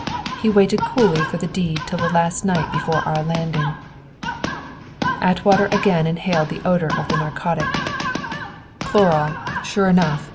He waited coolly for the deed till the last night before our landing." Atwater again inhaled the odor of the narcotic. "Chloral, sure enough!"